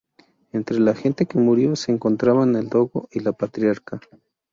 Entre la gente que murió, se encontraban el dogo y el patriarca.